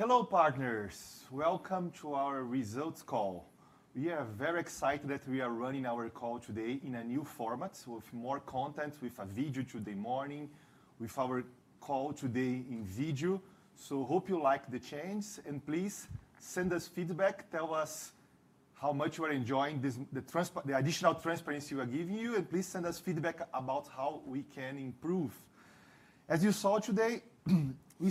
Hello, partners. Welcome to our results call. We are very excited that we are running our call today in a new format, with more content, with a video today morning, with our call today in video. So hope you like the change. And please send us feedback. Tell us how much you are enjoying the additional transparency we are giving you. And please send us feedback about how we can improve. As you saw today, we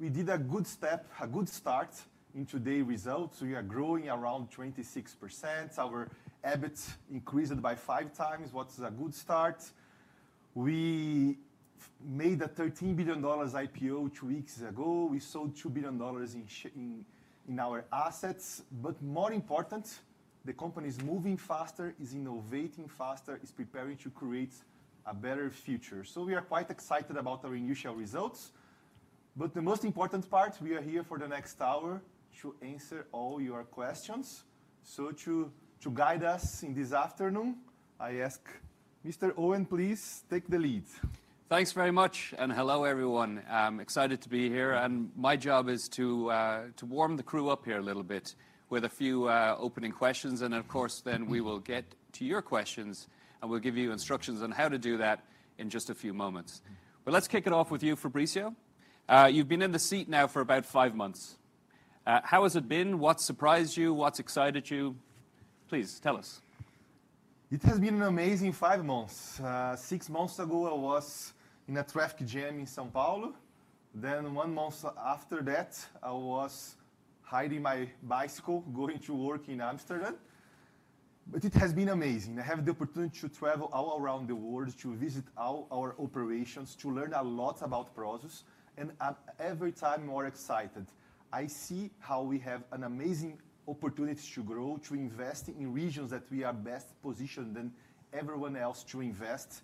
did a good step, a good start in today's results. We are growing around 26%. Our EBIT increased by 5x, which is a good start. We made a $13 billion IPO two weeks ago. We sold $2 billion in our assets. But more important, the company is moving faster, is innovating faster, is preparing to create a better future. So we are quite excited about our initial results. But the most important part, we are here for the next hour to answer all your questions. So to guide us in this afternoon, I ask Mr. Eoin, please take the lead. Thanks very much and hello, everyone. I'm excited to be here and my job is to warm the crew up here a little bit with a few opening questions. Of course, then we will get to your questions and we'll give you instructions on how to do that in just a few moments but let's kick it off with you, Fabricio. You've been in the seat now for about five months. How has it been? What surprised you? What excited you? Please tell us. It has been an amazing five months. Six months ago, I was in a traffic jam in São Paulo. Then one month after that, I was riding my bicycle, going to work in Amsterdam. But it has been amazing. I have the opportunity to travel all around the world, to visit our operations, to learn a lot about Prosus. And I'm every time more excited. I see how we have an amazing opportunity to grow, to invest in regions that we are best positioned than everyone else to invest,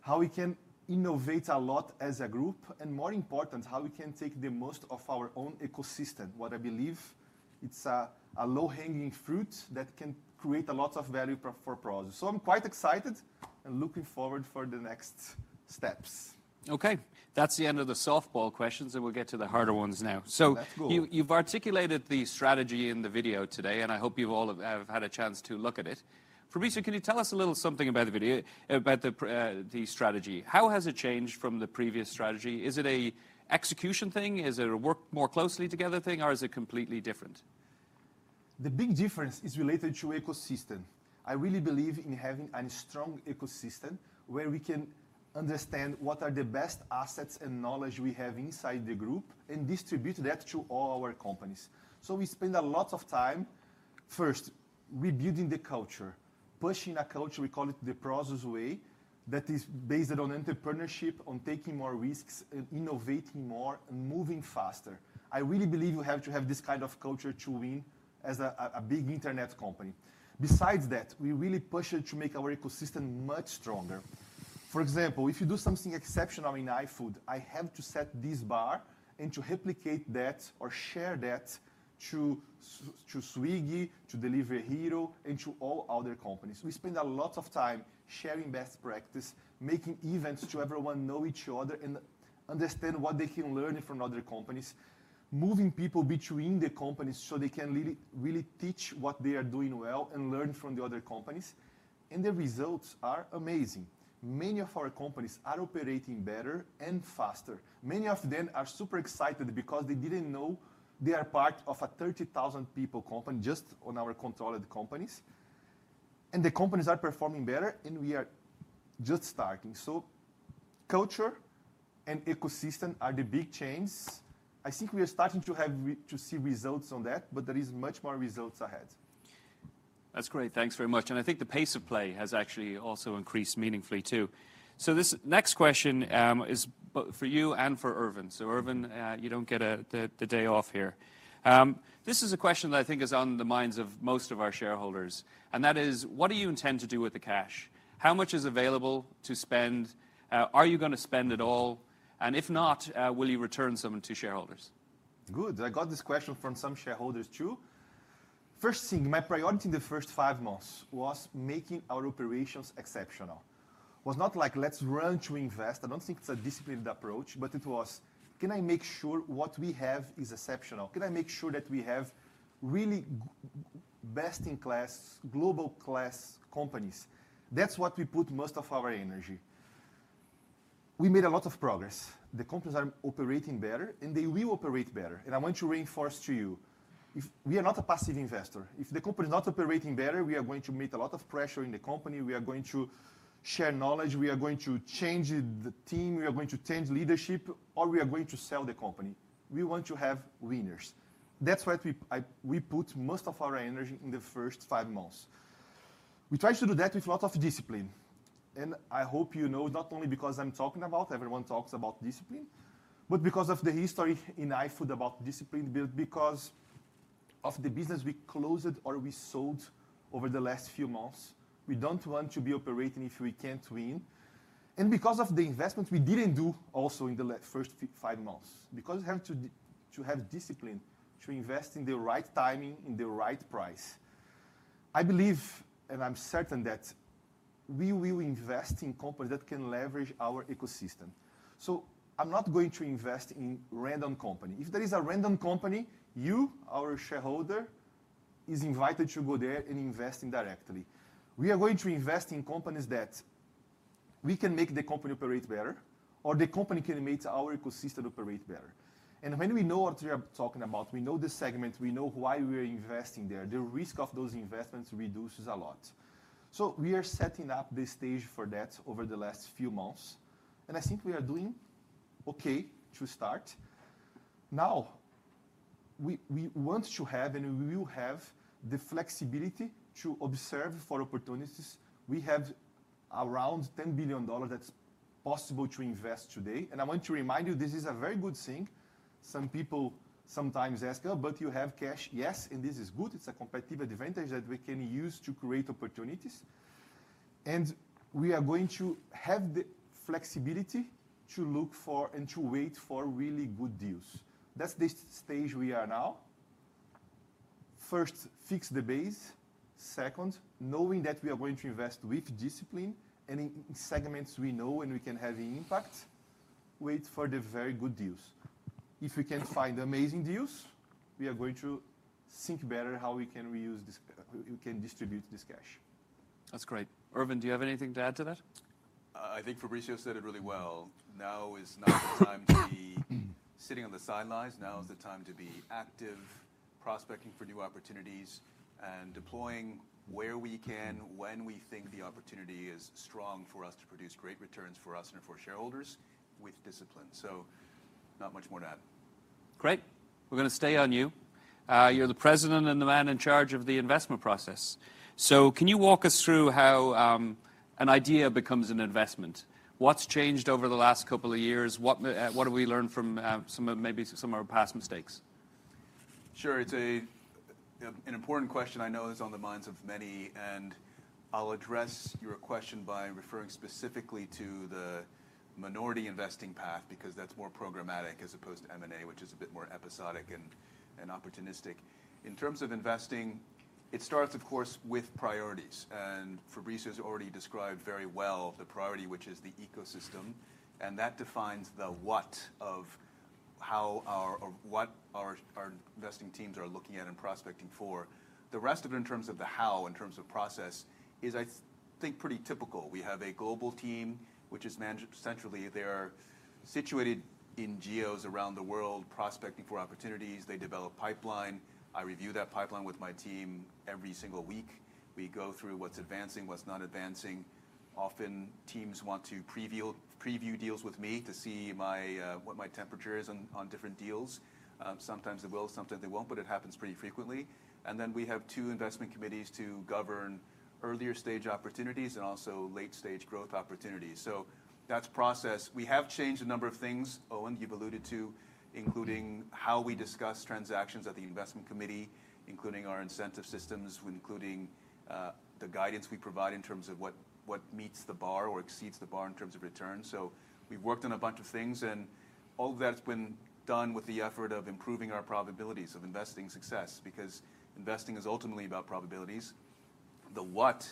how we can innovate a lot as a group, and more important, how we can take the most of our own ecosystem, what I believe is a low-hanging fruit that can create a lot of value for Prosus. So I'm quite excited and looking forward to the next steps. OK. That's the end of the softball questions, and we'll get to the harder ones now. That's good. So you've articulated the strategy in the video today. And I hope you've all had a chance to look at it. Fabricio, can you tell us a little something about the video, about the strategy? How has it changed from the previous strategy? Is it an execution thing? Is it a work more closely together thing? Or is it completely different? The big difference is related to ecosystem. I really believe in having a strong ecosystem where we can understand what are the best assets and knowledge we have inside the group and distribute that to all our companies, so we spend a lot of time, first, rebuilding the culture, pushing a culture we call it the Prosus Way that is based on entrepreneurship, on taking more risks, innovating more, and moving faster. I really believe you have to have this kind of culture to win as a big internet company. Besides that, we really push it to make our ecosystem much stronger. For example, if you do something exceptional in iFood, I have to set this bar and to replicate that or share that to Swiggy, to Delivery Hero, and to all other companies. We spend a lot of time sharing best practices, making events so everyone knows each other and understands what they can learn from other companies, moving people between the companies so they can really teach what they are doing well and learn from the other companies, and the results are amazing. Many of our companies are operating better and faster. Many of them are super excited because they didn't know they are part of a 30,000-person company just on our controlled companies, and the companies are performing better, and we are just starting, so culture and ecosystem are the big changes. I think we are starting to see results on that, but there are much more results ahead. That's great. Thanks very much. And I think the pace of play has actually also increased meaningfully, too. So this next question is for you and for Ervin. So Ervin, you don't get the day off here. This is a question that I think is on the minds of most of our shareholders. And that is, what do you intend to do with the cash? How much is available to spend? Are you going to spend at all? And if not, will you return some to shareholders? Good. I got this question from some shareholders, too. First thing, my priority in the first five months was making our operations exceptional. It was not like, let's run to invest. I don't think it's a disciplined approach, but it was, can I make sure what we have is exceptional? Can I make sure that we have really best-in-class, global-class companies? That's what we put most of our energy. We made a lot of progress. The companies are operating better, and they will operate better, and I want to reinforce to you, we are not a passive investor. If the company is not operating better, we are going to meet a lot of pressure in the company. We are going to share knowledge. We are going to change the team. We are going to change leadership, or we are going to sell the company. We want to have winners. That's what we put most of our energy in the first five months. We try to do that with a lot of discipline, and I hope you know not only because I'm talking about everyone talks about discipline, but because of the history in iFood about discipline, because of the business we closed or we sold over the last few months. We don't want to be operating if we can't win, and because of the investment we didn't do also in the first five months, because we have to have discipline to invest in the right timing, in the right price. I believe, and I'm certain that we will invest in companies that can leverage our ecosystem, so I'm not going to invest in a random company. If there is a random company, you, our shareholder, are invited to go there and invest directly. We are going to invest in companies that we can make the company operate better, or the company can make our ecosystem operate better, and when we know what we are talking about, we know the segment, we know why we are investing there, the risk of those investments reduces a lot, so we are setting up the stage for that over the last few months, and I think we are doing OK to start. Now, we want to have, and we will have, the flexibility to observe for opportunities. We have around $10 billion that's possible to invest today, and I want to remind you, this is a very good thing. Some people sometimes ask, oh, but you have cash? Yes, and this is good. It's a competitive advantage that we can use to create opportunities. And we are going to have the flexibility to look for and to wait for really good deals. That's the stage we are now. First, fix the base. Second, knowing that we are going to invest with discipline and in segments we know and we can have impact, wait for the very good deals. If we can't find amazing deals, we are going to think better how we can distribute this cash. That's great. Ervin, do you have anything to add to that? I think Fabricio said it really well. Now is not the time to be sitting on the sidelines. Now is the time to be active, prospecting for new opportunities, and deploying where we can, when we think the opportunity is strong for us to produce great returns for us and for shareholders with discipline. So not much more to add. Great. We're going to stay on you. You're the President and the man in charge of the investment process. So can you walk us through how an idea becomes an investment? What's changed over the last couple of years? What have we learned from maybe some of our past mistakes? Sure. It's an important question I know is on the minds of many, and I'll address your question by referring specifically to the minority investing path, because that's more programmatic as opposed to M&A, which is a bit more episodic and opportunistic. In terms of investing, it starts, of course, with priorities, and Fabricio has already described very well the priority, which is the ecosystem, and that defines the what of what our investing teams are looking at and prospecting for. The rest of it, in terms of the how, in terms of process, is, I think, pretty typical. We have a global team, which is centrally there, situated in geos around the world, prospecting for opportunities. They develop a pipeline. I review that pipeline with my team every single week. We go through what's advancing, what's not advancing. Often, teams want to preview deals with me to see what my temperature is on different deals. Sometimes they will, sometimes they won't, but it happens pretty frequently, and then we have two investment committees to govern earlier-stage opportunities and also late-stage growth opportunities, so that's process. We have changed a number of things, Eoin. You've alluded to including how we discuss transactions at the investment committee, including our incentive systems, including the guidance we provide in terms of what meets the bar or exceeds the bar in terms of return, so we've worked on a bunch of things, and all of that's been done with the effort of improving our probabilities of investing success, because investing is ultimately about probabilities. The what,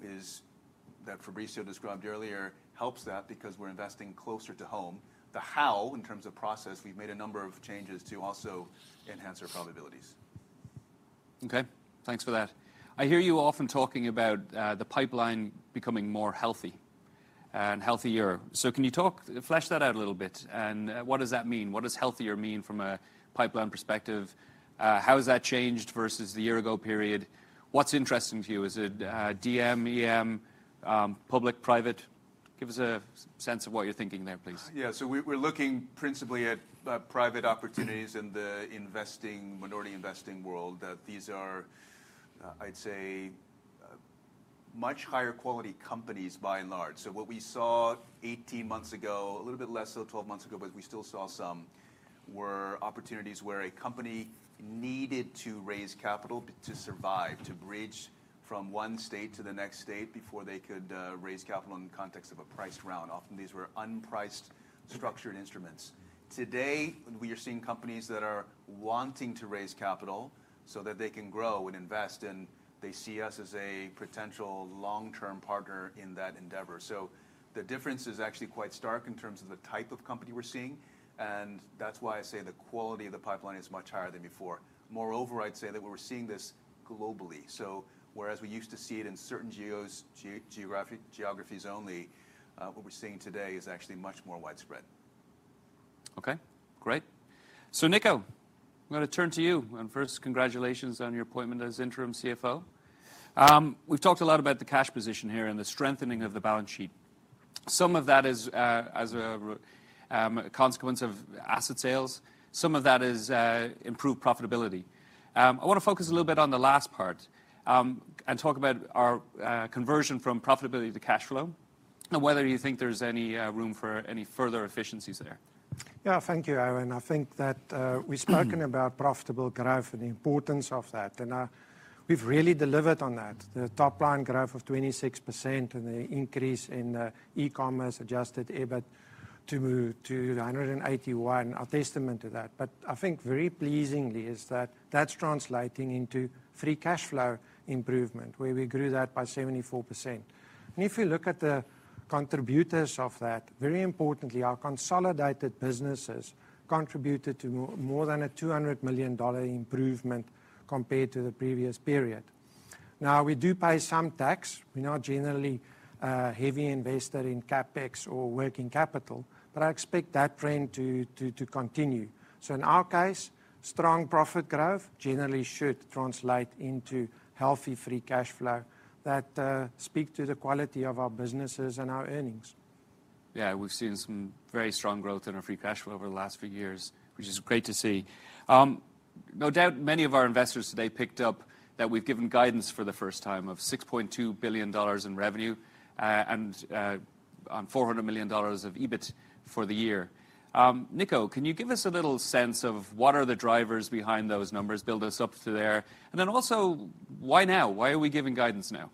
that Fabricio described earlier, helps that because we're investing closer to home. The how, in terms of process, we've made a number of changes to also enhance our probabilities. OK. Thanks for that. I hear you often talking about the pipeline becoming more healthy and healthier. So can you flesh that out a little bit, and what does that mean? What does healthier mean from a pipeline perspective? How has that changed versus the year-ago period? What's interesting to you? Is it DM, EM, public, private? Give us a sense of what you're thinking there, please. Yeah. So we're looking principally at private opportunities in the investing, minority investing world. These are, I'd say, much higher quality companies by and large. So what we saw 18 months ago, a little bit less so 12 months ago, but we still saw some, were opportunities where a company needed to raise capital to survive, to bridge from one state to the next state before they could raise capital in the context of a priced round. Often, these were unpriced, structured instruments. Today, we are seeing companies that are wanting to raise capital so that they can grow and invest. And they see us as a potential long-term partner in that endeavor. So the difference is actually quite stark in terms of the type of company we're seeing. And that's why I say the quality of the pipeline is much higher than before. Moreover, I'd say that we're seeing this globally. So whereas we used to see it in certain geographies only, what we're seeing today is actually much more widespread. OK. Great. So Nico, I'm going to turn to you, and first, congratulations on your appointment as Interim CFO. We've talked a lot about the cash position here and the strengthening of the balance sheet. Some of that is as a consequence of asset sales. Some of that is improved profitability. I want to focus a little bit on the last part and talk about our conversion from profitability to cash flow and whether you think there's any room for any further efficiencies there. Yeah. Thank you, Ervin. I think that we've spoken about profitable growth and the importance of that and we've really delivered on that. The top line growth of 26% and the increase in e-commerce adjusted EBIT to 181 are a testament to that, but I think very pleasingly is that that's translating into free cash flow improvement, where we grew that by 74%. And if you look at the contributors of that, very importantly, our consolidated businesses contributed to more than a $200 million improvement compared to the previous period. Now, we do pay some tax. We're not generally heavy investors in CapEx or working capital, but I expect that trend to continue, so in our case, strong profit growth generally should translate into healthy free cash flow that speaks to the quality of our businesses and our earnings. Yeah. We've seen some very strong growth in our free cash flow over the last few years, which is great to see. No doubt, many of our investors today picked up that we've given guidance for the first time of $6.2 billion in revenue and $400 million of EBIT for the year. Nico, can you give us a little sense of what are the drivers behind those numbers? Build us up to there. And then also, why now? Why are we giving guidance now?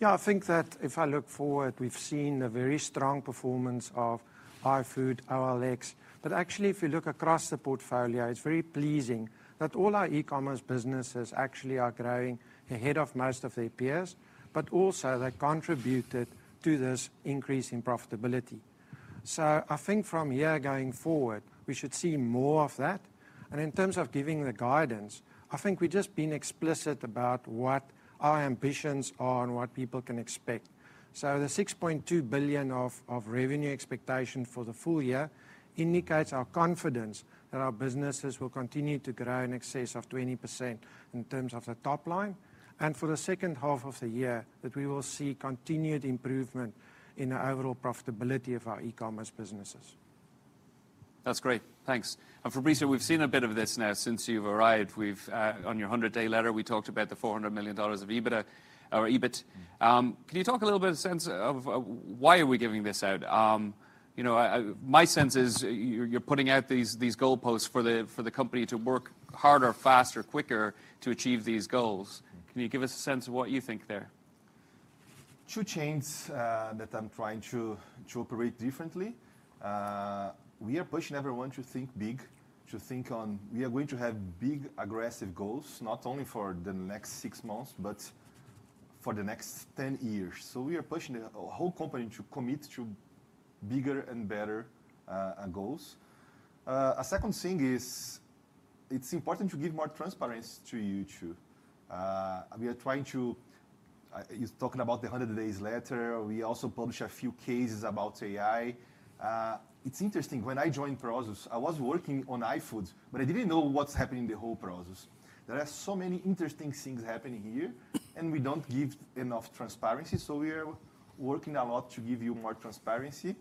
Yeah. I think that if I look forward, we've seen a very strong performance of iFood, OLX. But actually, if you look across the portfolio, it's very pleasing that all our e-commerce businesses actually are growing ahead of most of their peers, but also they contributed to this increase in profitability. So I think from here going forward, we should see more of that. And in terms of giving the guidance, I think we've just been explicit about what our ambitions are and what people can expect. So the $6.2 billion of revenue expectation for the full year indicates our confidence that our businesses will continue to grow in excess of 20% in terms of the top line. And for the second half of the year, that we will see continued improvement in the overall profitability of our e-commerce businesses. That's great. Thanks. And Fabricio, we've seen a bit of this now since you've arrived. On your 100-day letter, we talked about the $400 million of EBITDA or EBIT. Can you talk a little bit of a sense of why are we giving this out? My sense is you're putting out these goalposts for the company to work harder, faster, quicker to achieve these goals. Can you give us a sense of what you think there? Two changes that I'm trying to operate differently. We are pushing everyone to think big, to think about how we are going to have big, aggressive goals, not only for the next six months, but for the next 10 years, so we are pushing the whole company to commit to bigger and better goals. A second thing is it's important to give more transparency to you, too. We are trying to. You're talking about the 100-day letter. We also published a few cases about AI. It's interesting. When I joined Prosus, I was working on iFood, but I didn't know what's happening in the whole Prosus. There are so many interesting things happening here, and we don't give enough transparency, so we are working a lot to give you more transparency.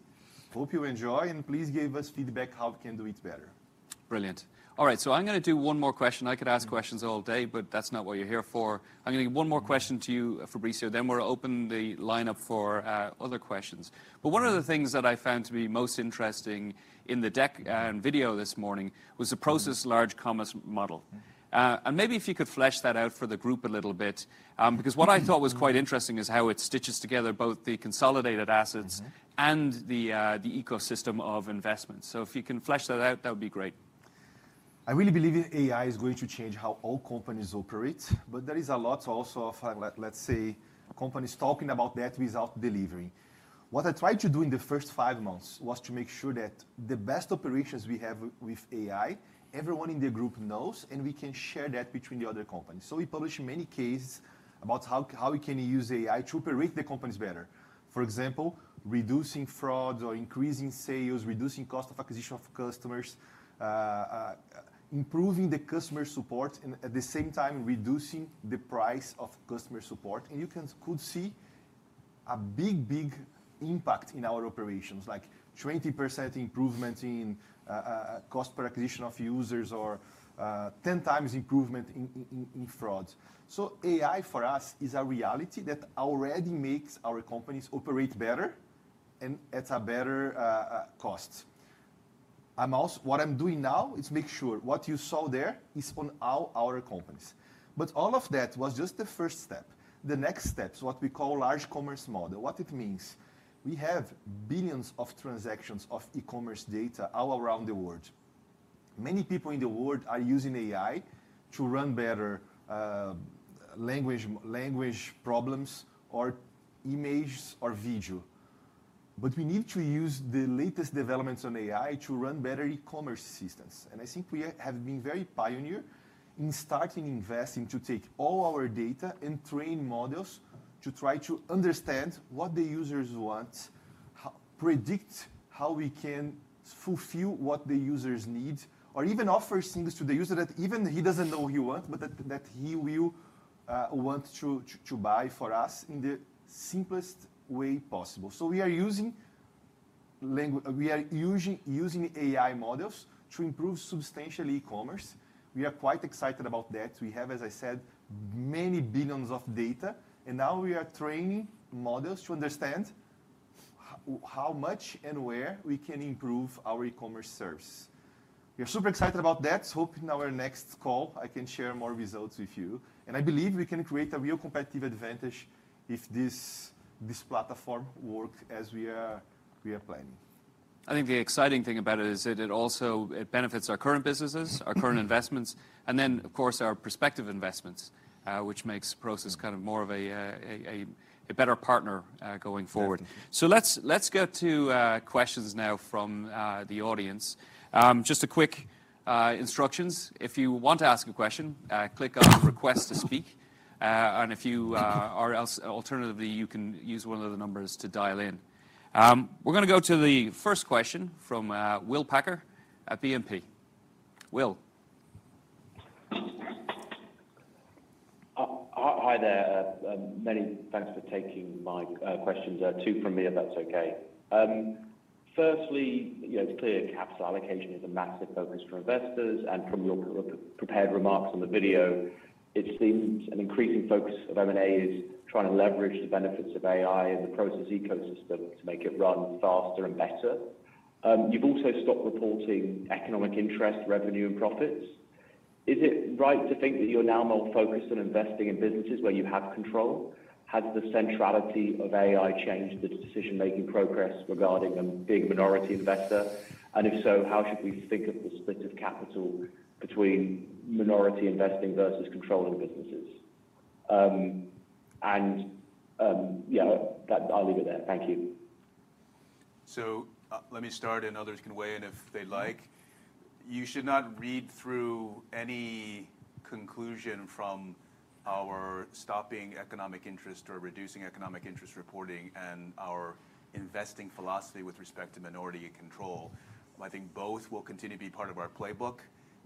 Hope you enjoy, and please give us feedback how we can do it better. Brilliant. All right. So I'm going to do one more question. I could ask questions all day, but that's not what you're here for. I'm going to give one more question to you, Fabricio. Then we'll open the line up for other questions. But one of the things that I found to be most interesting in the deck and video this morning was the Prosus Large Commerce Model. And maybe if you could flesh that out for the group a little bit, because what I thought was quite interesting is how it stitches together both the consolidated assets and the ecosystem of investments. So if you can flesh that out, that would be great. I really believe AI is going to change how all companies operate. But there is a lot also of, let's say, companies talking about that without delivering. What I tried to do in the first five months was to make sure that the best operations we have with AI, everyone in the group knows, and we can share that between the other companies. So we published many cases about how we can use AI to operate the companies better. For example, reducing fraud or increasing sales, reducing cost of acquisition of customers, improving the customer support, and at the same time, reducing the price of customer support. And you could see a big, big impact in our operations, like 20% improvement in cost per acquisition of users or 10x improvement in fraud. So AI for us is a reality that already makes our companies operate better, and at a better cost. What I'm doing now is make sure what you saw there is on all our companies. But all of that was just the first step. The next step is what we call Large Commerce Model. What it means? We have billions of transactions of e-commerce data all around the world. Many people in the world are using AI to run better language models or images or video. But we need to use the latest developments on AI to run better e-commerce systems. I think we have been very pioneering in starting to invest in taking all our data and training models to try to understand what the users want, predict how we can fulfill what the users need, or even offer things to the user that even he doesn't know he wants, but that he will want to buy for us in the simplest way possible. We are using AI models to improve substantially e-commerce. We are quite excited about that. We have, as I said, many billions of data. Now we are training models to understand how much and where we can improve our e-commerce service. We are super excited about that. Hoping in our next call, I can share more results with you. I believe we can create a real competitive advantage if this platform works as we are planning. I think the exciting thing about it is that it also benefits our current businesses, our current investments, and then, of course, our prospective investments, which makes Prosus kind of more of a better partner going forward. Let's get to questions now from the audience. Just a quick instructions. If you want to ask a question, click on "Request to Speak." Or alternatively, you can use one of the numbers to dial in. We're going to go to the first question from Will Packer at BNP. Will? Hi there. Many thanks for taking my questions. Two from me, if that's OK. Firstly, it's clear capital allocation is a massive focus for investors, and from your prepared remarks on the video, it seems an increasing focus of M&A is trying to leverage the benefits of AI and the Prosus ecosystem to make it run faster and better. You've also stopped reporting economic interest, revenue, and profits. Is it right to think that you're now more focused on investing in businesses where you have control? Has the centrality of AI changed the decision-making process regarding being a minority investor, and if so, how should we think of the split of capital between minority investing versus controlling businesses, and yeah, I'll leave it there. Thank you. So let me start, and others can weigh in if they'd like. You should not read through any conclusion from our stopping economic interest or reducing economic interest reporting and our investing philosophy with respect to minority control. I think both will continue to be part of our playbook.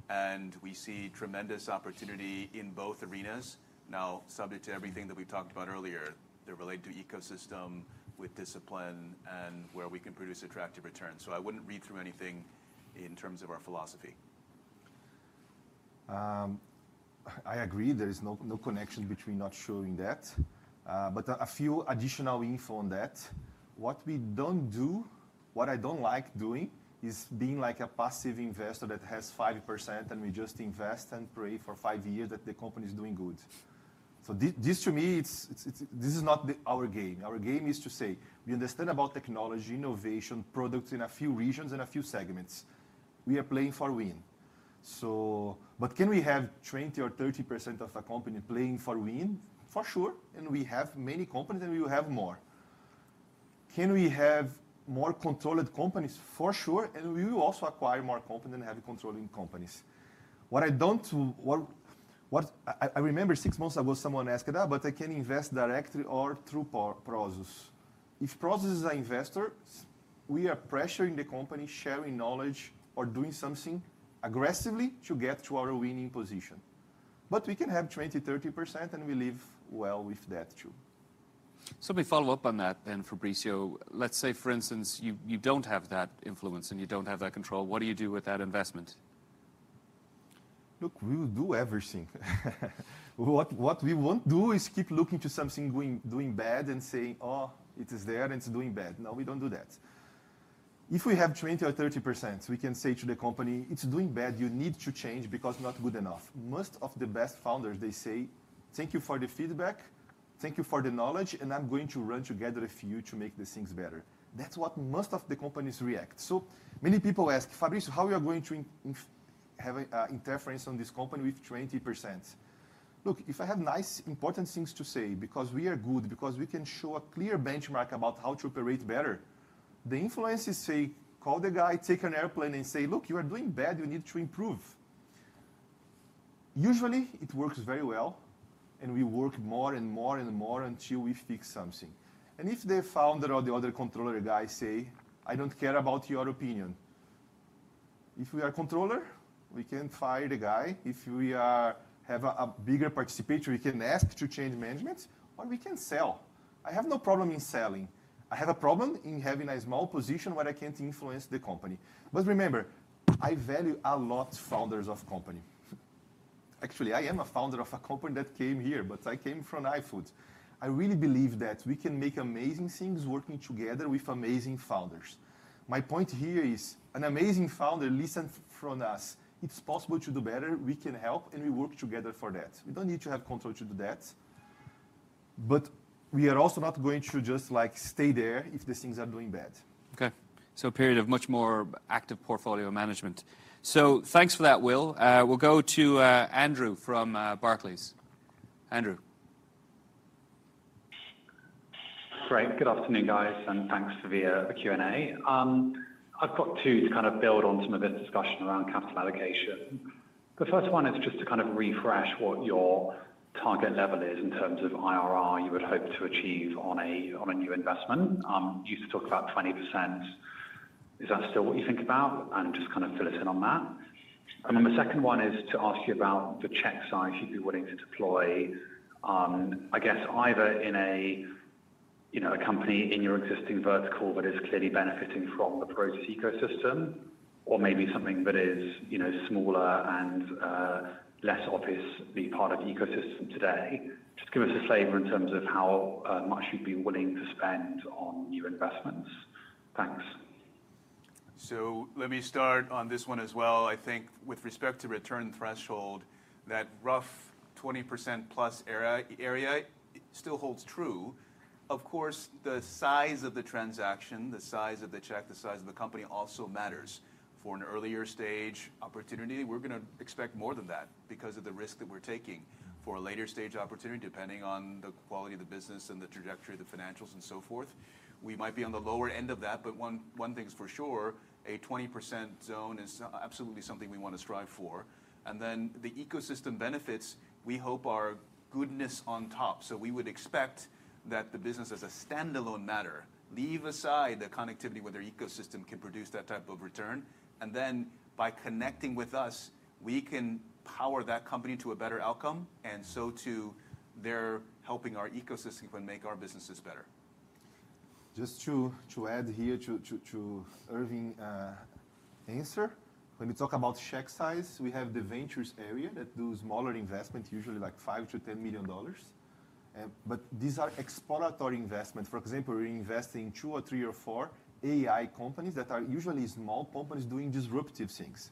And we see tremendous opportunity in both arenas. Now, subject to everything that we talked about earlier, they're related to ecosystem with discipline and where we can produce attractive returns. So I wouldn't read through anything in terms of our philosophy. I agree. There is no connection between not showing that, but a few additional info on that. What we don't do, what I don't like doing, is being like a passive investor that has 5%, and we just invest and pray for five years that the company is doing good, so this, to me, this is not our game. Our game is to say we understand about technology, innovation, products in a few regions and a few segments. We are playing for win, but can we have 20% or 30% of a company playing for win? For sure, and we have many companies, and we will have more. Can we have more controlled companies? For sure, and we will also acquire more companies and have controlling companies. I remember six months ago, someone asked that, but I can invest directly or through Prosus. If Prosus is an investor, we are pressuring the company, sharing knowledge, or doing something aggressively to get to our winning position. But we can have 20%, 30%, and we live well with that too. So let me follow up on that, then, Fabricio. Let's say, for instance, you don't have that influence, and you don't have that control. What do you do with that investment? Look, we will do everything. What we won't do is keep looking to something doing bad and saying, oh, it is there, and it's doing bad. No, we don't do that. If we have 20% or 30%, we can say to the company, it's doing bad. You need to change because not good enough. Most of the best founders, they say, thank you for the feedback. Thank you for the knowledge. And I'm going to run together a few to make the things better. That's what most of the companies react. So many people ask, Fabricio, how are you going to have interference on this company with 20%? Look, if I have nice, important things to say because we are good, because we can show a clear benchmark about how to operate better, the influencers say, call the guy, take an airplane, and say, look, you are doing bad. You need to improve. Usually, it works very well. And we work more and more and more until we fix something. And if the founder or the other controller guy say, "I don't care about your opinion." If we are a controller, we can fire the guy. If we have a bigger participation, we can ask to change management, or we can sell. I have no problem in selling. I have a problem in having a small position where I can't influence the company. But remember, I value a lot founders of company. Actually, I am a founder of a company that came here, but I came from iFood. I really believe that we can make amazing things working together with amazing founders. My point here is an amazing founder listens from us. It's possible to do better. We can help. And we work together for that. We don't need to have control to do that. But we are also not going to just stay there if the things are doing bad. Okay. So a period of much more active portfolio management. So thanks for that, Will. We'll go to Andrew from Barclays. Andrew? Great. Good afternoon, guys. And thanks for the Q&A. I've got two to kind of build on some of this discussion around capital allocation. The first one is just to kind of refresh what your target level is in terms of IRR you would hope to achieve on a new investment. You used to talk about 20%. Is that still what you think about? And just kind of fill us in on that. And then the second one is to ask you about the check size if you'd be willing to deploy, I guess, either in a company in your existing vertical that is clearly benefiting from the Prosus ecosystem, or maybe something that is smaller and less obviously part of the ecosystem today. Just give us a flavor in terms of how much you'd be willing to spend on new investments. Thanks. So let me start on this one as well. I think with respect to return threshold, that rough 20%+ area still holds true. Of course, the size of the transaction, the size of the check, the size of the company also matters. For an earlier stage opportunity, we're going to expect more than that because of the risk that we're taking. For a later stage opportunity, depending on the quality of the business and the trajectory, the financials, and so forth, we might be on the lower end of that. But one thing's for sure, a 20% zone is absolutely something we want to strive for. And then the ecosystem benefits, we hope are goodness on top. So we would expect that the business as a standalone matter, leave aside the connectivity where their ecosystem can produce that type of return. And then by connecting with us, we can power that company to a better outcome. And so too, they're helping our ecosystem and make our businesses better. Just to add here to Ervin's answer, when we talk about check size, we have the ventures area that do smaller investments, usually like $5 million-$10 million. But these are exploratory investments. For example, we're investing in two, or three, or four AI companies that are usually small companies doing disruptive things.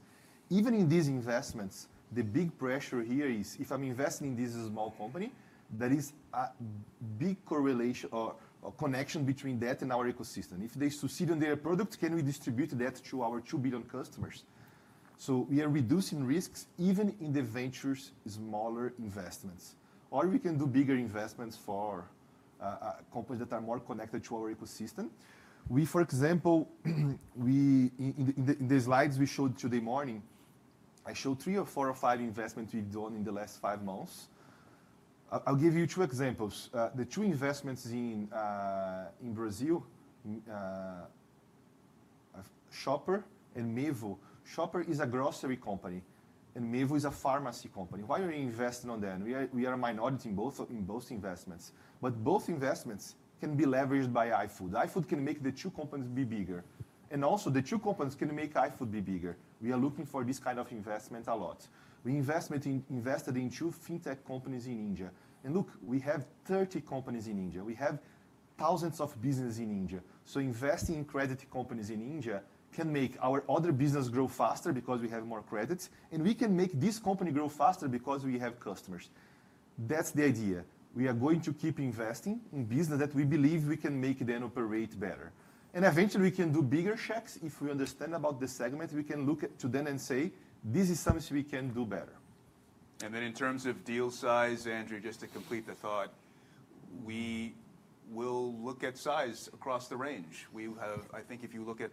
Even in these investments, the big pressure here is if I'm investing in this small company, there is a big correlation or connection between that and our ecosystem. If they succeed in their product, can we distribute that to our 2 billion customers? So we are reducing risks even in the ventures smaller investments. Or we can do bigger investments for companies that are more connected to our ecosystem. We, for example, in the slides we showed today morning, I showed three or four or five investments we've done in the last five months. I'll give you two examples. The two investments in Brazil, ShopUp and Mevo. ShopUp is a grocery company, and Mevo is a pharmacy company. Why are we investing on that? We are a minority in both investments, but both investments can be leveraged by iFood. iFood can make the two companies be bigger, and also, the two companies can make iFood be bigger. We are looking for this kind of investment a lot. We invested in two fintech companies in India, and look, we have 30 companies in India. We have thousands of businesses in India, so investing in credit companies in India can make our other business grow faster because we have more credits, and we can make this company grow faster because we have customers. That's the idea. We are going to keep investing in business that we believe we can make them operate better. Eventually, we can do bigger checks. If we understand about the segment, we can look to them and say, this is something we can do better. Then in terms of deal size, Andrew, just to complete the thought, we will look at size across the range. I think if you look at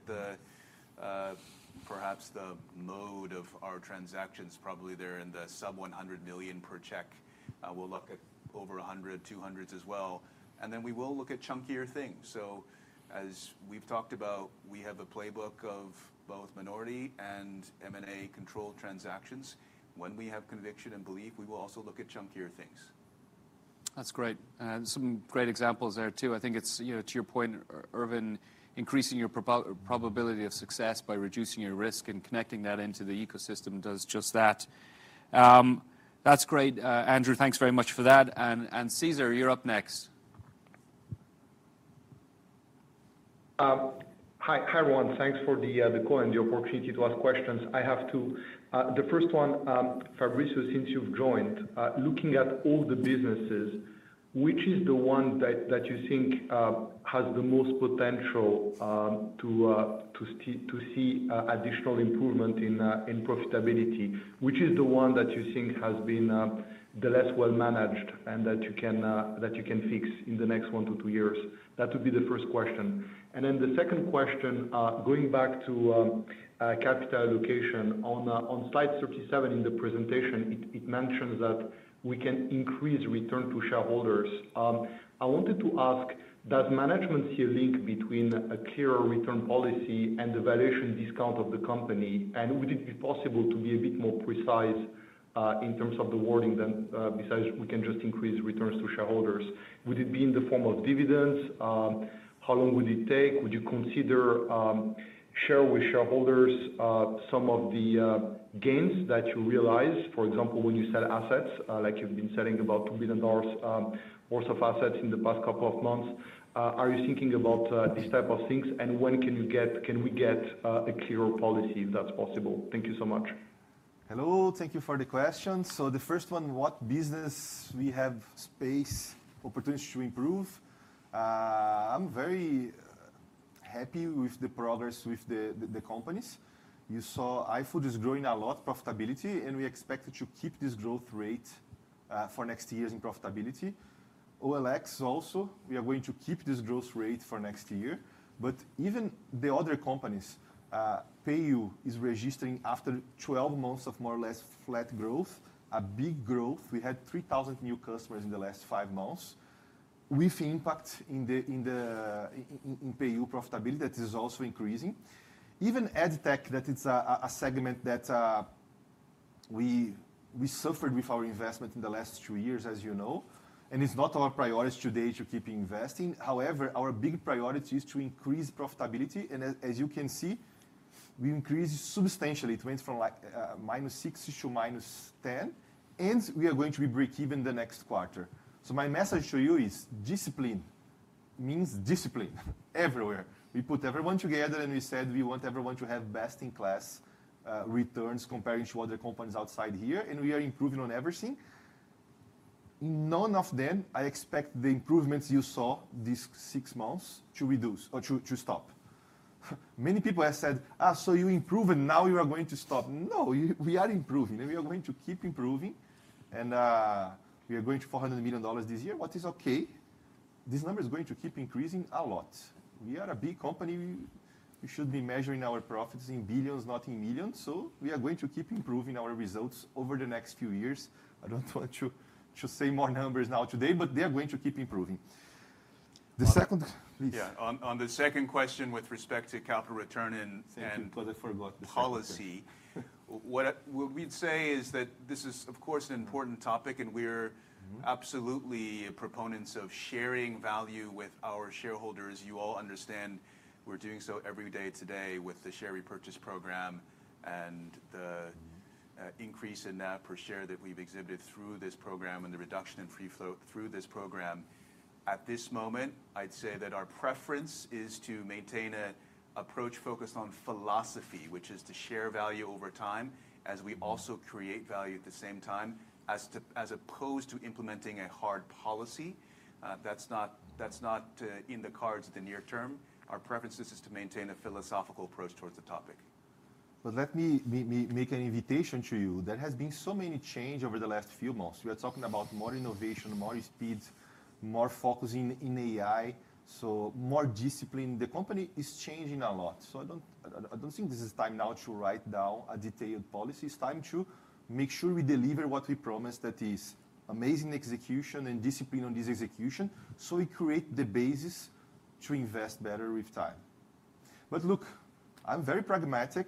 perhaps the mode of our transactions, probably they're in the sub-$100 million per check. We'll look at over $100, $200 as well. And then we will look at chunkier things. So as we've talked about, we have a playbook of both minority and M&A controlled transactions. When we have conviction and belief, we will also look at chunkier things. That's great. Some great examples there too. I think it's, to your point, Ervin, increasing your probability of success by reducing your risk and connecting that into the ecosystem does just that. That's great. Andrew, thanks very much for that. And Cesar, you're up next. Hi everyone. Thanks for the call and the opportunity to ask questions. I have two. The first one, Fabricio, since you've joined, looking at all the businesses, which is the one that you think has the most potential to see additional improvement in profitability? Which is the one that you think has been the less well-managed and that you can fix in the next one to two years? That would be the first question. And then the second question, going back to capital allocation, on slide 37 in the presentation, it mentions that we can increase return to shareholders. I wanted to ask, does management see a link between a clearer return policy and the valuation discount of the company? And would it be possible to be a bit more precise in terms of the wording than besides we can just increase returns to shareholders? Would it be in the form of dividends? How long would it take? Would you consider share with shareholders some of the gains that you realize, for example, when you sell assets, like you've been selling about $2 billion worth of assets in the past couple of months? Are you thinking about these types of things? And when can we get a clearer policy, if that's possible? Thank you so much. Hello. Thank you for the question, so the first one, what business we have space, opportunities to improve? I'm very happy with the progress with the companies. You saw iFood is growing a lot, profitability. And we expect to keep this growth rate for next years in profitability. OLX also, we are going to keep this growth rate for next year, but even the other companies, PayU is registering after 12 months of more or less flat growth, a big growth. We had 3,000 new customers in the last five months. With impact in PayU profitability, that is also increasing. Even Edtech, that is a segment that we suffered with our investment in the last two years, as you know, and it's not our priority today to keep investing. However, our big priority is to increase profitability, and as you can see, we increased substantially. It went from like -6 to -10. And we are going to be breakeven the next quarter. So my message to you is discipline means discipline everywhere. We put everyone together. And we said we want everyone to have best-in-class returns compared to other companies outside here. And we are improving on everything. In none of them, I expect the improvements you saw these six months to reduce or to stop. Many people have said, so you improve, and now you are going to stop. No. We are improving. And we are going to keep improving. And we are going to $400 million this year, which is OK. This number is going to keep increasing a lot. We are a big company. We should be measuring our profits in billions, not in millions. So we are going to keep improving our results over the next few years. I don't want to say more numbers now today. But they are going to keep improving. The second. Yeah. On the second question with respect to capital return and policy, what we'd say is that this is, of course, an important topic, and we're absolutely proponents of sharing value with our shareholders. You all understand we're doing so every day today with the share repurchase program and the increase in NAV per share that we've exhibited through this program and the reduction in free float through this program. At this moment, I'd say that our preference is to maintain an approach focused on philosophy, which is to share value over time as we also create value at the same time, as opposed to implementing a hard policy. That's not in the cards of the near term. Our preference is to maintain a philosophical approach towards the topic. But let me make an invitation to you. There has been so much change over the last few months. We are talking about more innovation, more speeds, more focusing in AI, so more discipline. The company is changing a lot. So I don't think this is time now to write down a detailed policy. It's time to make sure we deliver what we promised, that is amazing execution and discipline on this execution so we create the basis to invest better with time. But look, I'm very pragmatic.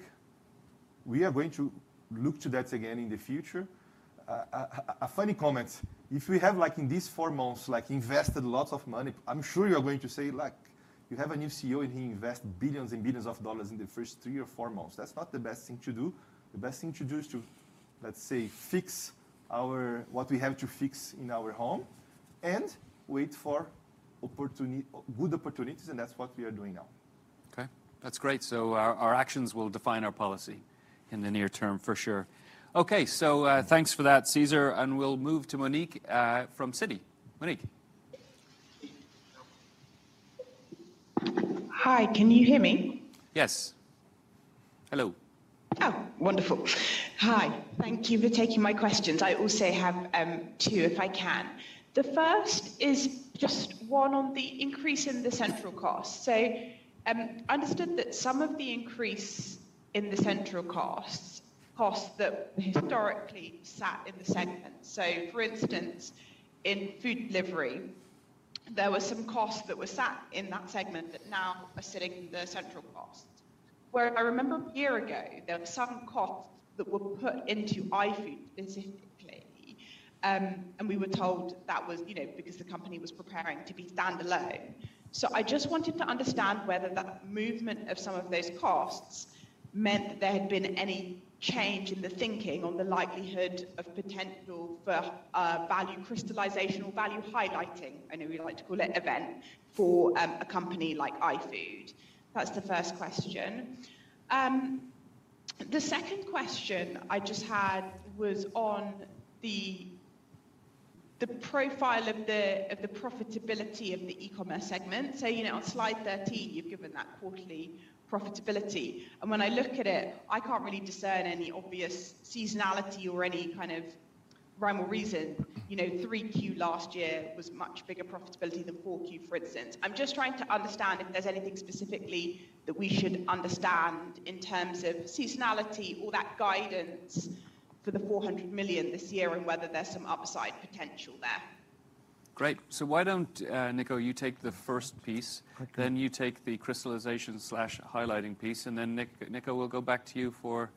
We are going to look to that again in the future. A funny comment. If we have, like in these four months, like invested lots of money, I'm sure you're going to say, like you have a new CEO, and he invests billions and billions of dollars in the first three or four months. That's not the best thing to do. The best thing to do is to, let's say, fix what we have to fix in our home and wait for good opportunities. And that's what we are doing now. OK. That's great. So our actions will define our policy in the near term, for sure. OK. So thanks for that, Cesar. And we'll move to Monique from Citi. Monique? Hi. Can you hear me? Yes. Hello. Oh, wonderful. Hi. Thank you for taking my questions. I also have two if I can. The first is just one on the increase in the central cost. So I understood that some of the increase in the central costs that historically sat in the segment. So for instance, in food delivery, there were some costs that were sat in that segment that now are sitting in the central costs. Where I remember a year ago, there were some costs that were put into iFood specifically. And we were told that was because the company was preparing to be standalone. So I just wanted to understand whether that movement of some of those costs meant that there had been any change in the thinking on the likelihood of potential for value crystallization or value highlighting, I know we like to call it, event for a company like iFood. That's the first question. The second question I just had was on the profile of the profitability of the e-commerce segment. So on slide 13, you've given that quarterly profitability. And when I look at it, I can't really discern any obvious seasonality or any kind of rhyme or reason. 3Q last year was much bigger profitability than 4Q, for instance. I'm just trying to understand if there's anything specifically that we should understand in terms of seasonality or that guidance for the $400 million this year and whether there's some upside potential there. Great. So why don't you, Nico, take the first piece. Then you take the crystallization/highlighting piece. And then Nico will go back to you for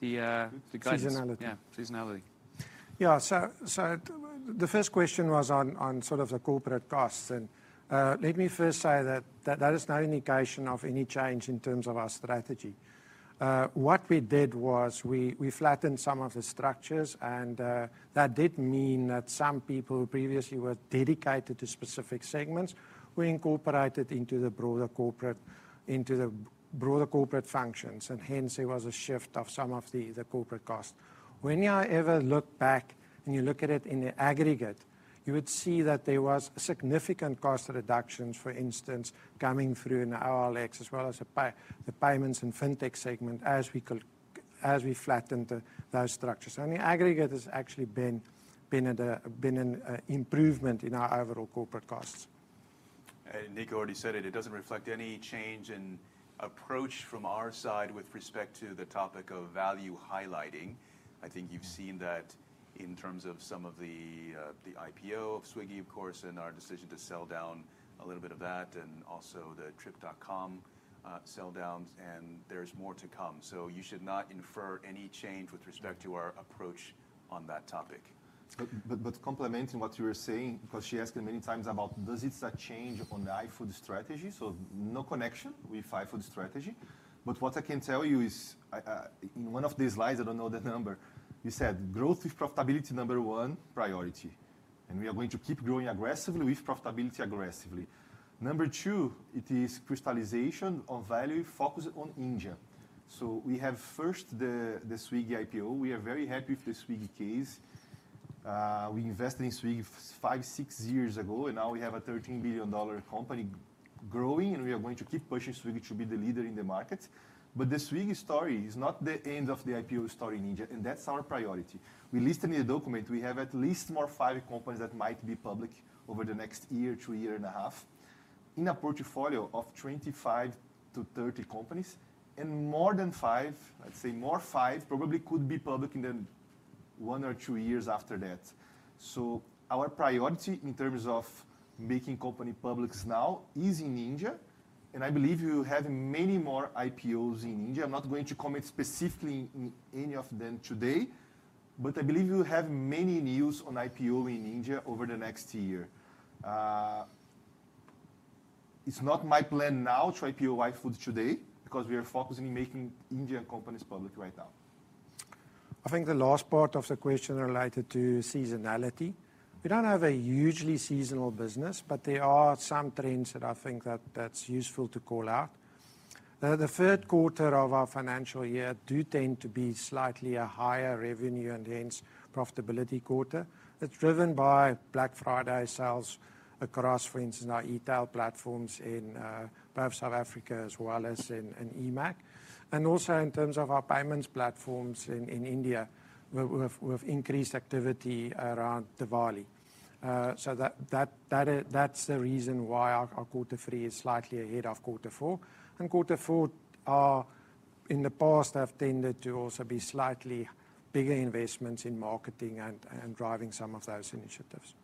the guidance. Seasonality. Yeah. Seasonality. Yeah. So the first question was on sort of the corporate costs. And let me first say that that is not an indication of any change in terms of our strategy. What we did was we flattened some of the structures. And that did mean that some people who previously were dedicated to specific segments were incorporated into the broader corporate functions. And hence, there was a shift of some of the corporate costs. When you ever look back and you look at it in the aggregate, you would see that there was significant cost reductions, for instance, coming through in OLX as well as the payments and fintech segment as we flattened those structures. So in the aggregate, there's actually been an improvement in our overall corporate costs. Nico already said it. It doesn't reflect any change in approach from our side with respect to the topic of value highlighting. I think you've seen that in terms of some of the IPO of Swiggy, of course, and our decision to sell down a little bit of that and also the Trip.com sell downs, and there's more to come, so you should not infer any change with respect to our approach on that topic. Complementing what you were saying, because she asked me many times about, does it set change on the iFood strategy? No connection with iFood strategy. What I can tell you is in one of these slides, I don't know the number, you said growth with profitability number one, priority. We are going to keep growing aggressively with profitability aggressively. Number two, it is crystallization of value focused on India. We have first the Swiggy IPO. We are very happy with the Swiggy case. We invested in Swiggy five, six years ago. Now we have a $13 billion company growing. We are going to keep pushing Swiggy to be the leader in the market. The Swiggy story is not the end of the IPO story in India. That's our priority. We listed in the document. We have at least more than five companies that might be public over the next year, two years and a half in a portfolio of 25-30 companies. More than five, I'd say more than five, probably could be public in the one or two years after that. Our priority in terms of making company publics now is in India. I believe we will have many more IPOs in India. I'm not going to comment specifically on any of them today. I believe we will have many news on IPO in India over the next year. It's not my plan now to IPO iFood today because we are focusing on making Indian companies public right now. I think the last part of the question related to seasonality. We don't have a hugely seasonal business. But there are some trends that I think that's useful to call out. The third quarter of our financial year do tend to be slightly a higher revenue and hence profitability quarter. It's driven by Black Friday sales across, for instance, our e-tail platforms in South Africa as well as in EMEA, and also in terms of our payments platforms in India, we have increased activity around Diwali, so that's the reason why our quarter three is slightly ahead of quarter four, and quarter four, in the past, have tended to also be slightly bigger investments in marketing and driving some of those initiatives.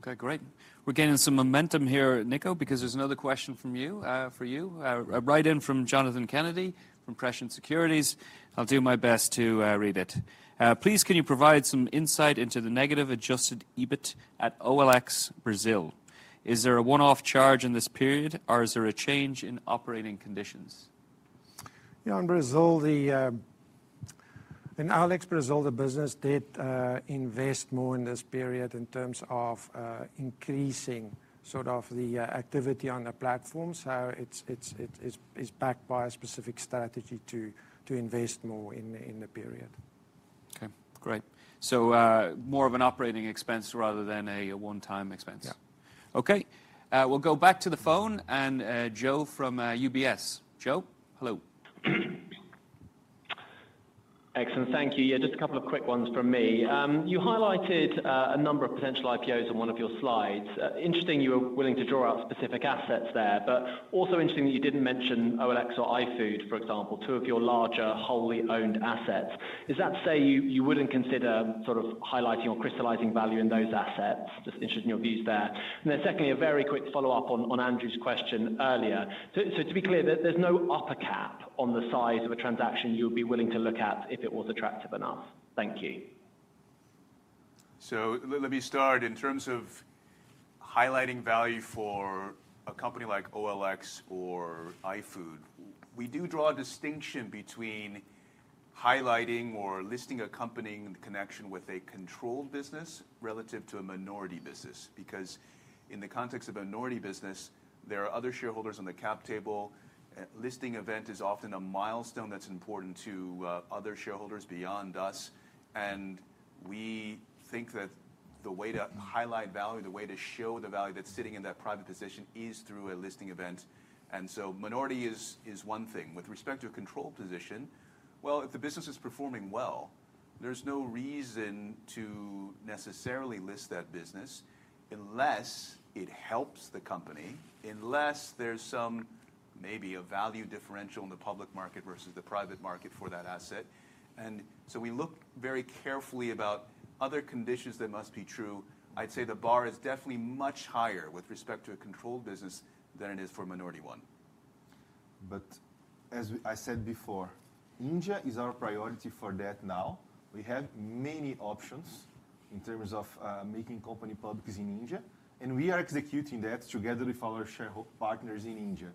OK. Great. We're getting some momentum here, Nico, because there's another question for you right in from Jonathan Kennedy from Prescient Securities. I'll do my best to read it. Please, can you provide some insight into the negative adjusted EBIT at OLX Brazil? Is there a one-off charge in this period? Or is there a change in operating conditions? Yeah. In Brazil, the business did invest more in this period in terms of increasing sort of the activity on the platforms. So it's backed by a specific strategy to invest more in the period. OK. Great, so more of an operating expense rather than a one-time expense. Yeah. OK. We'll go back to the phone, and Joe from UBS. Joe, hello. Excellent. Thank you. Yeah, just a couple of quick ones from me. You highlighted a number of potential IPOs on one of your slides. Interesting you were willing to draw out specific assets there. But also interesting that you didn't mention OLX or iFood, for example, two of your larger wholly owned assets. Is that to say you wouldn't consider sort of highlighting or crystallizing value in those assets? Just interested in your views there. And then secondly, a very quick follow-up on Andrew's question earlier. So to be clear, there's no upper cap on the size of a transaction you would be willing to look at if it was attractive enough. Thank you. So let me start. In terms of highlighting value for a company like OLX or iFood, we do draw a distinction between highlighting or listing accompanying the connection with a controlled business relative to a minority business. Because in the context of a minority business, there are other shareholders on the cap table. Listing event is often a milestone that's important to other shareholders beyond us, and we think that the way to highlight value, the way to show the value that's sitting in that private position, is through a listing event, and so minority is one thing. With respect to a controlled position, well, if the business is performing well, there's no reason to necessarily list that business unless it helps the company, unless there's some maybe a value differential in the public market versus the private market for that asset. And so we look very carefully about other conditions that must be true. I'd say the bar is definitely much higher with respect to a controlled business than it is for a minority one. But as I said before, India is our priority for that now. We have many options in terms of making company publics in India. And we are executing that together with our shareholder partners in India.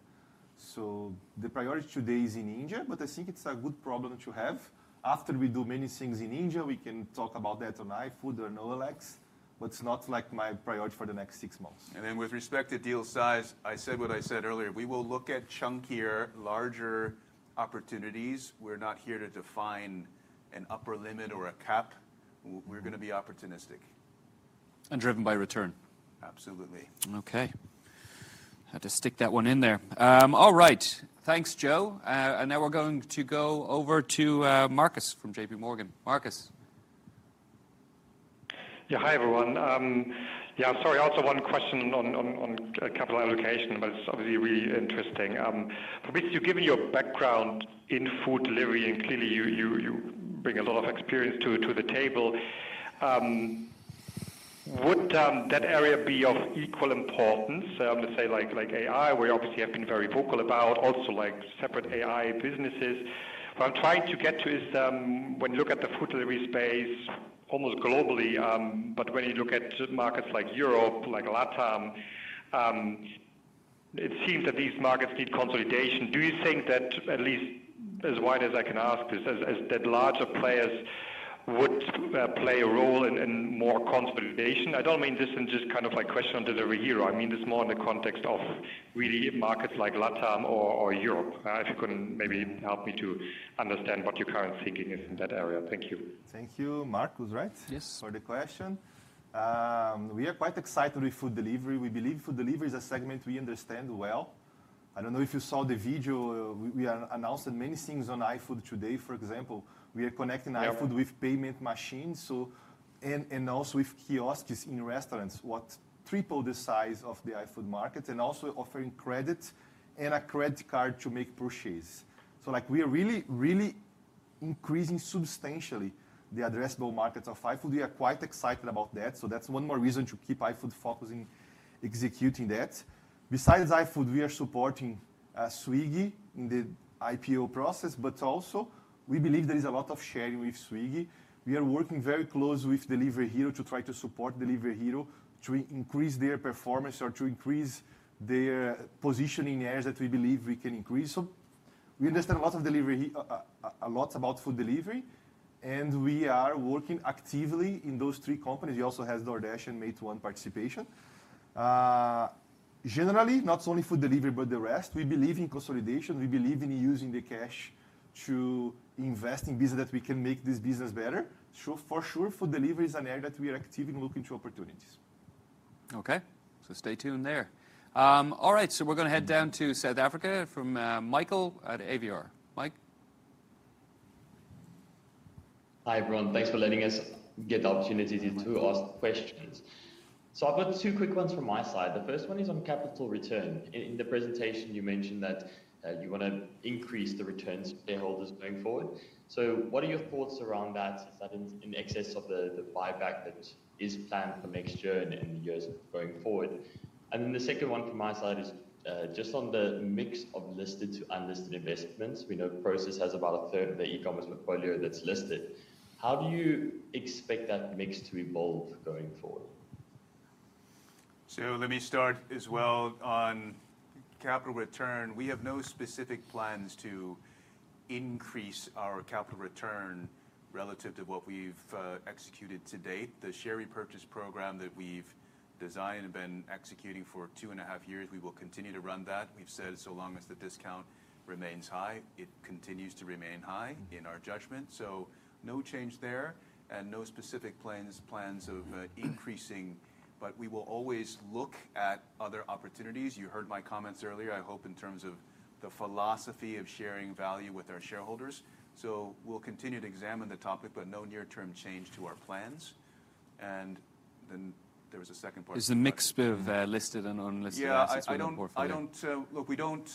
So the priority today is in India. But I think it's a good problem to have. After we do many things in India, we can talk about that on iFood or an OLX. But it's not like my priority for the next six months. And then with respect to deal size, I said what I said earlier. We will look at chunkier, larger opportunities. We're not here to define an upper limit or a cap. We're going to be opportunistic. And driven by return. Absolutely. OK. I had to stick that one in there. All right. Thanks, Joe. And now we're going to go over to Marcus from JPMorgan. Marcus? Yeah. Hi, everyone. Yeah. Sorry. Also one question on capital allocation. But it's obviously really interesting. For me, you've given your background in food delivery. And clearly, you bring a lot of experience to the table. Would that area be of equal importance, let's say like AI, where you obviously have been very vocal about, also separate AI businesses? What I'm trying to get to is when you look at the food delivery space almost globally, but when you look at markets like Europe, like LatAm, it seems that these markets need consolidation. Do you think that, at least as wide as I can ask, that larger players would play a role in more consolidation? I don't mean this in just kind of like question on delivery here. I mean this more in the context of really markets like LatAm or Europe. If you can maybe help me to understand what your current thinking is in that area? Thank you. Thank you, Marcus, right? Yes. For the question. We are quite excited with food delivery. We believe food delivery is a segment we understand well. I don't know if you saw the video. We announced many things on iFood today. For example, we are connecting iFood with payment machines and also with kiosks in restaurants, what tripled the size of the iFood market and also offering credit and a credit card to make purchase. So we are really, really increasing substantially the addressable markets of iFood. We are quite excited about that. So that's one more reason to keep iFood focusing on executing that. Besides iFood, we are supporting Swiggy in the IPO process. But also, we believe there is a lot of sharing with Swiggy. We are working very close with Delivery Hero to try to support Delivery Hero to increase their performance or to increase their positioning in areas that we believe we can increase. So we understand a lot about food delivery. And we are working actively in those three companies. He also has DoorDash and Meituan participation. Generally, not only food delivery, but the rest. We believe in consolidation. We believe in using the cash to invest in business that we can make this business better. For sure, food delivery is an area that we are actively looking to opportunities. OK. So stay tuned there. All right. So we're going to head down to South Africa from Michael at Avior. Mike? Hi, everyone. Thanks for letting us get the opportunity to ask questions. So I've got two quick ones from my side. The first one is on capital return. In the presentation, you mentioned that you want to increase the returns for shareholders going forward. So what are your thoughts around that? Is that in excess of the buyback that is planned for next year and years going forward? And then the second one from my side is just on the mix of listed to unlisted investments. We know Prosus has about 1/3 of the e-commerce portfolio that's listed. How do you expect that mix to evolve going forward? So let me start as well on capital return. We have no specific plans to increase our capital return relative to what we've executed to date. The share repurchase program that we've designed and been executing for two and a half years, we will continue to run that. We've said so long as the discount remains high, it continues to remain high in our judgment. So no change there and no specific plans of increasing. But we will always look at other opportunities. You heard my comments earlier, I hope, in terms of the philosophy of sharing value with our shareholders. So we'll continue to examine the topic, but no near-term change to our plans. And then there was a second part. There's a mix of listed and unlisted portfolio. Yeah. We don't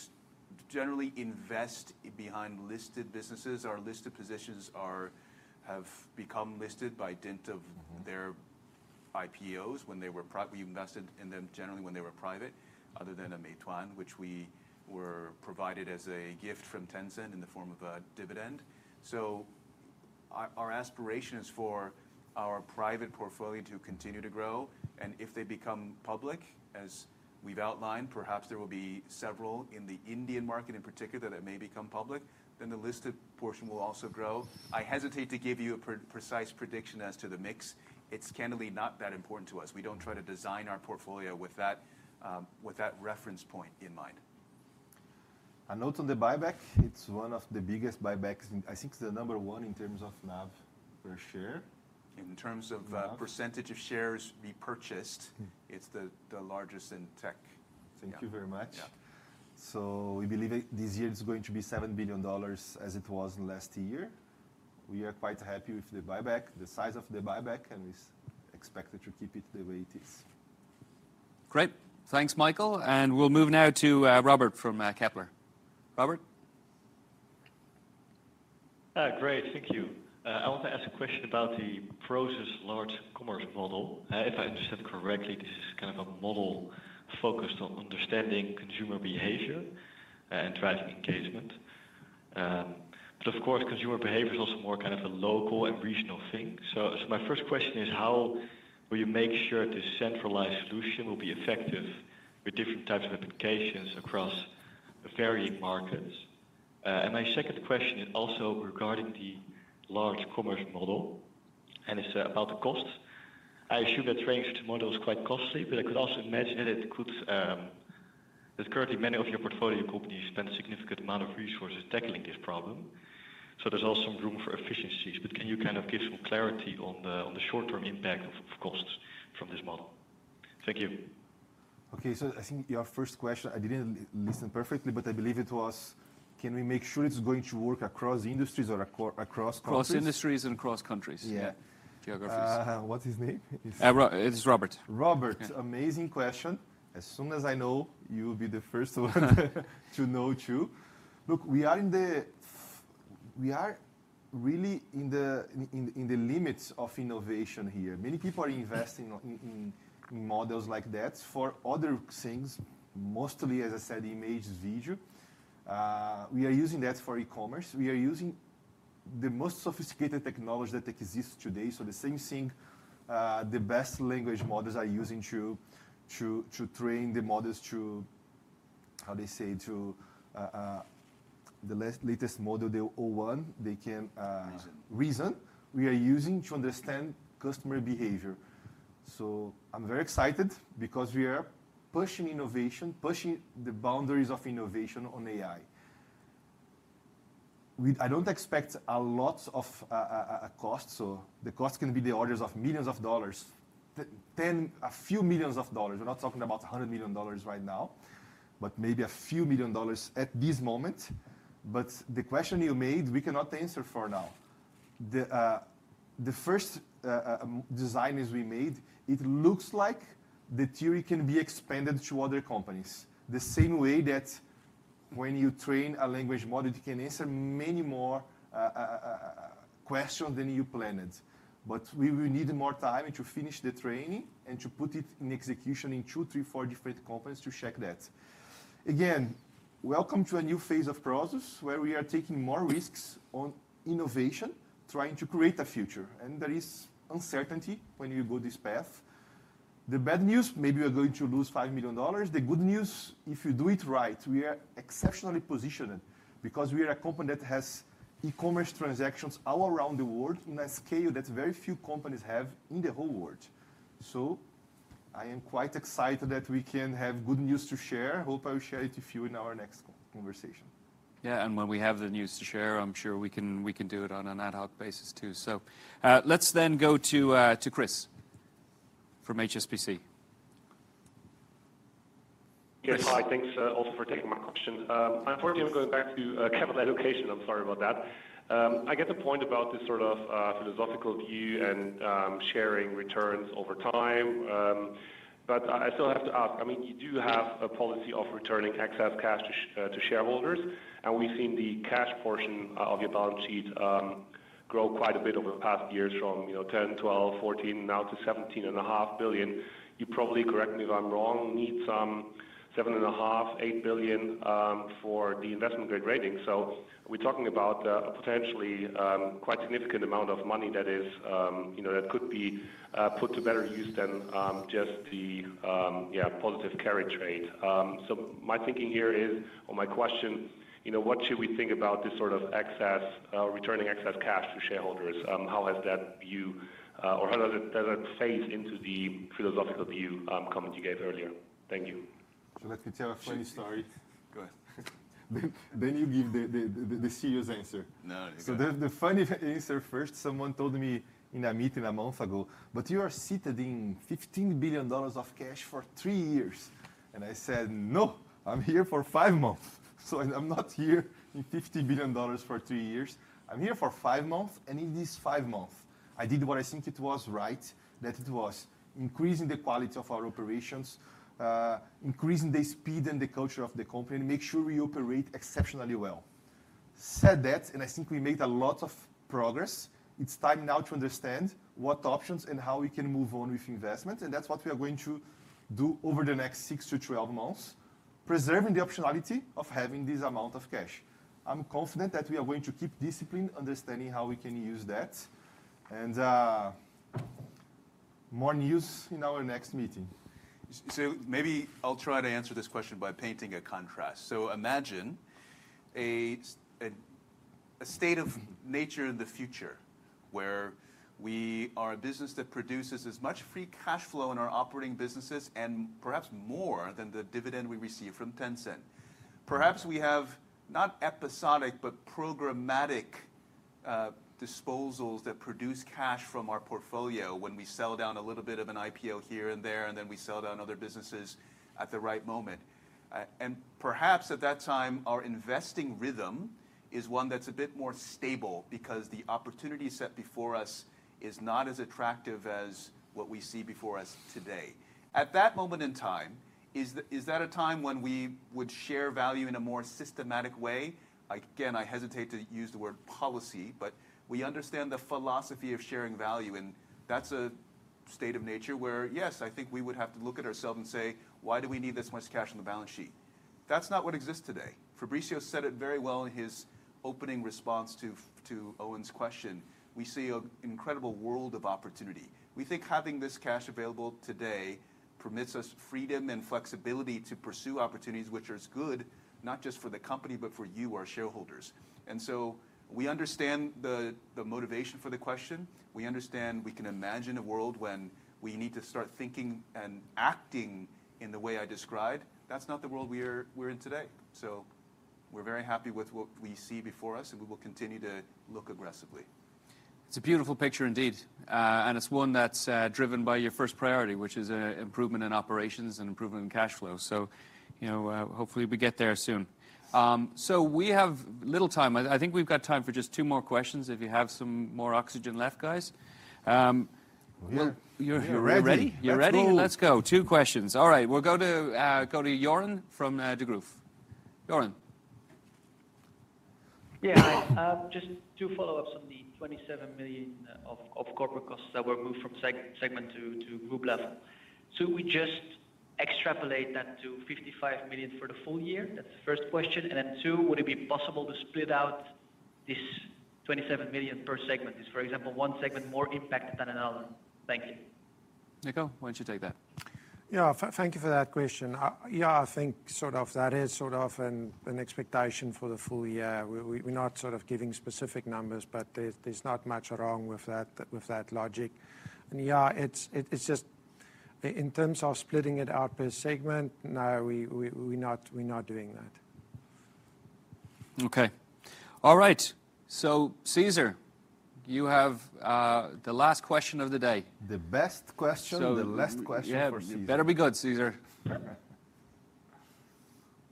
generally invest behind listed businesses. Our listed positions have become listed by dint of their IPOs when they were we invested in them generally when they were private, other than Meituan, which we were provided as a gift from Tencent in the form of a dividend. Our aspiration is for our private portfolio to continue to grow. If they become public, as we've outlined, perhaps there will be several in the Indian market in particular that may become public. Then the listed portion will also grow. I hesitate to give you a precise prediction as to the mix. It's candidly not that important to us. We don't try to design our portfolio with that reference point in mind. Not on the buyback, it's one of the biggest buybacks. I think it's the number one in terms of NAV per share. In terms of percentage of shares repurchased, it's the largest in tech. Thank you very much. So we believe this year it's going to be $7 billion as it was last year. We are quite happy with the buyback, the size of the buyback. And we expect to keep it the way it is. Great. Thanks, Michael. And we'll move now to Robert from Kepler. Robert? Great. Thank you. I want to ask a question about the Prosus' Large Commerce Model. If I understood correctly, this is kind of a model focused on understanding consumer behavior and driving engagement. But of course, consumer behavior is also more kind of a local and regional thing. So my first question is, how will you make sure this centralized solution will be effective with different types of applications across varying markets? And my second question is also regarding the Large Commerce Model. And it's about the costs. I assume that training such a model is quite costly. But I could also imagine that it could currently many of your portfolio companies spend a significant amount of resources tackling this problem. So there's also some room for efficiencies. But can you kind of give some clarity on the short-term impact of costs from this model? Thank you. OK. So I think your first question, I didn't listen perfectly. But I believe it was, can we make sure it's going to work across industries or across countries? Across industries and across countries. Yeah. Geographies. What's his name? It's Robert. Robert. Amazing question. As soon as I know, you will be the first one to know too. Look, we are really in the limits of innovation here. Many people are investing in models like that for other things, mostly, as I said, image, video. We are using that for e-commerce. We are using the most sophisticated technology that exists today, so the same thing, the best language models are using to train the models to, how do you say, to the latest model, the o1, they can reason. We are using to understand customer behavior, so I'm very excited because we are pushing innovation, pushing the boundaries of innovation on AI. I don't expect a lot of cost, so the cost can be on the order of millions of dollars, a few million dollars. We're not talking about $100 million right now, but maybe a few million dollars at this moment. But the question you made, we cannot answer for now. The first design we made, it looks like the theory can be expanded to other companies the same way that when you train a language model, it can answer many more questions than you planned. But we will need more time to finish the training and to put it in execution in two, three, four different companies to check that. Again, welcome to a new phase of Prosus, where we are taking more risks on innovation, trying to create a future. And there is uncertainty when you go this path. The bad news, maybe we're going to lose $5 million. The good news, if you do it right, we are exceptionally positioned because we are a company that has e-commerce transactions all around the world in a scale that very few companies have in the whole world. So I am quite excited that we can have good news to share. Hope I will share it with you in our next conversation. Yeah, and when we have the news to share, I'm sure we can do it on an ad hoc basis too, so let's then go to Chris from HSBC. Yes. Hi, thanks also for taking my question. Unfortunately, I'm going back to capital allocation. I'm sorry about that. I get the point about this sort of philosophical view and sharing returns over time. But I still have to ask. I mean, you do have a policy of returning excess cash to shareholders. And we've seen the cash portion of your balance sheet grow quite a bit over the past years from $10 billion, $12 billion, $14 billion, now to $17.5 billion. You can correct me if I'm wrong, need some $7.5 billion-€8 billion for the investment grade rating. So we're talking about a potentially quite significant amount of money that could be put to better use than just the positive carry trade. So my thinking here is, or my question, what should we think about this sort of excess, returning excess cash to shareholders? How has that view, or how does it play into the philosophical view comment you gave earlier? Thank you. Let me tell a funny story. Go ahead. Then you give the serious answer. So the funny answer first. Someone told me in a meeting a month ago, but you are sitting on $15 billion of cash for three years. And I said, no, I'm here for five months. So I'm not sitting on $50 billion for three years. I'm here for five months. And in these five months, I did what I think it was right, that it was increasing the quality of our operations, increasing the speed and the culture of the company, and make sure we operate exceptionally well. That said, and I think we made a lot of progress. It's time now to understand what options and how we can move on with investment. And that's what we are going to do over the next six to 12 months, preserving the optionality of having this amount of cash. I'm confident that we are going to keep discipline, understanding how we can use that, and more news in our next meeting. So maybe I'll try to answer this question by painting a contrast. So imagine a state of nature in the future where we are a business that produces as much free cash flow in our operating businesses and perhaps more than the dividend we receive from Tencent. Perhaps we have not episodic, but programmatic disposals that produce cash from our portfolio when we sell down a little bit of an IPO here and there, and then we sell down other businesses at the right moment. And perhaps at that time, our investing rhythm is one that's a bit more stable because the opportunity set before us is not as attractive as what we see before us today. At that moment in time, is that a time when we would share value in a more systematic way? Again, I hesitate to use the word policy. But we understand the philosophy of sharing value. And that's a state of nature where, yes, I think we would have to look at ourselves and say, why do we need this much cash on the balance sheet? That's not what exists today. Fabricio said it very well in his opening response to Eoin's question. We see an incredible world of opportunity. We think having this cash available today permits us freedom and flexibility to pursue opportunities, which are as good not just for the company, but for you, our shareholders. And so we understand the motivation for the question. We understand we can imagine a world when we need to start thinking and acting in the way I described. That's not the world we're in today. So we're very happy with what we see before us. And we will continue to look aggressively. It's a beautiful picture indeed. And it's one that's driven by your first priority, which is improvement in operations and improvement in cash flow. So hopefully, we get there soon. So we have little time. I think we've got time for just two more questions if you have some more oxygen left, guys. You ready? Let's go. Two questions. All right. We'll go to Joren from Degroof. Joren? Yeah. Just two follow-ups on the $27 million of corporate costs that were moved from segment to group level. So we just extrapolate that to $55 million for the full year? That's the first question. And then two, would it be possible to split out this $27 million per segment? Is, for example, one segment more impacted than another? Thank you. Nico, why don't you take that? Yeah. Thank you for that question. Yeah, I think sort of that is sort of an expectation for the full year. We're not sort of giving specific numbers. But there's not much wrong with that logic, and yeah, it's just in terms of splitting it out per segment, no, we're not doing that. OK. All right. So Cesar, you have the last question of the day. The best question and the last question for Cesar. Yeah. You better be good, Cesar.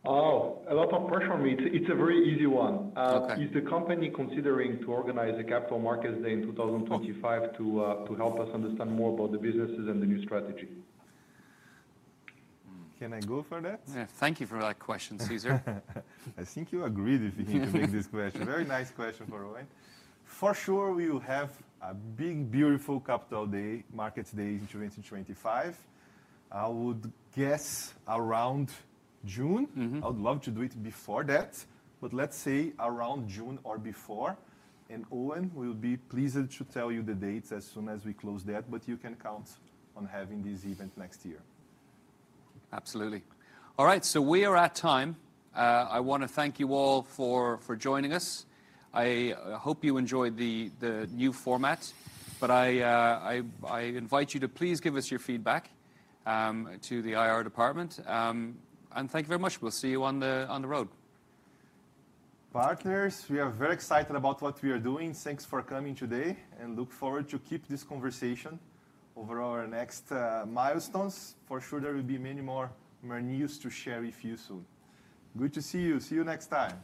Oh, a lot of pressure on me. It's a very easy one. Is the company considering to organize a Capital Markets Day in 2025 to help us understand more about the businesses and the new strategy? Can I go for that? Thank you for that question, Cesar. I think you agreed with me to make this question. Very nice question for Eoin. For sure, we will have a big, beautiful Capital Markets Day in 2025. I would guess around June. I would love to do it before that, but let's say around June or before, and Eoin will be pleased to tell you the dates as soon as we close that, but you can count on having this event next year. Absolutely. All right. So we are at time. I want to thank you all for joining us. I hope you enjoyed the new format. But I invite you to please give us your feedback to the IR department. And thank you very much. We'll see you on the road. Partners, we are very excited about what we are doing. Thanks for coming today and look forward to keep this conversation over our next milestones. For sure, there will be many more news to share with you soon. Good to see you. See you next time.